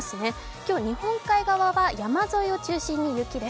今日日本海側は山沿いを中心に雪です。